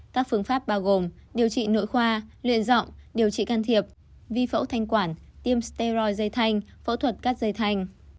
các phương pháp bao gồm điều trị nội khoa luyện dọng điều trị can thiệp vi phẫu thanh quản tiêm steroid dây thanh phẫu thuật cắt dây thanh